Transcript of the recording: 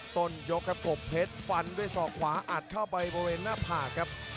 ต้นยกกรมเผ็ดฟันด้วยสอขวาอาดเข้าไปบริเวณหน้าผ่าครับ